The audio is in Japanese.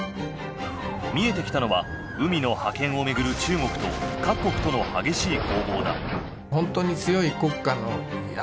見えてきたのは海の覇権を巡る中国と各国との激しい攻防だ。